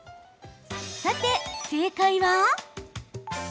さて正解は。